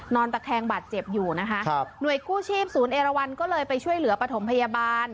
ตะแคงบาดเจ็บอยู่นะคะครับหน่วยกู้ชีพศูนย์เอราวันก็เลยไปช่วยเหลือปฐมพยาบาล